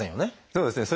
そうですね。